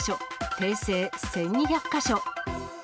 訂正１２００か所。